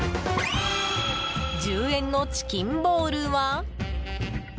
１０円のチキンボールは？